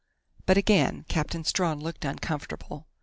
But again Captain Strawn looked uncomfortable.